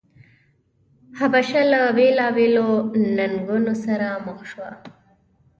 حبشه له بېلابېلو ننګونو سره مخ شوه.